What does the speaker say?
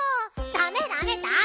ダメダメダメ！